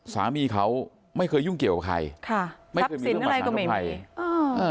สามีเขาไม่เคยยุ่งเกี่ยวกับใครค่ะไม่เคยมีเรื่องประสานทภัยครับสินอะไรก็ไม่มี